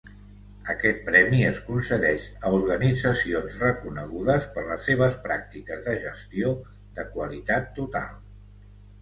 Aquest premi es concedeix a organitzacions reconegudes per les seves practiques de gestió de qualitat total.